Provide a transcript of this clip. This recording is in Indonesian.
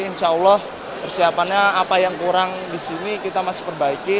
insya allah persiapannya apa yang kurang di sini kita masih perbaiki